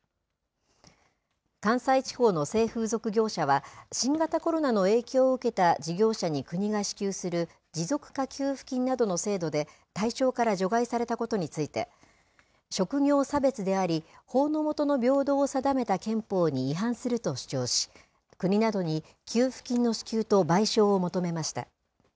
関西地方の性風俗業者は、新型コロナの影響を受けた事業者に国が支給する、持続化給付金などの制度で対象から除外されたことについて、職業差別であり、法の下の平等を定めた憲法に違反すると主張し、国などに給付金の支給と賠償を求めました。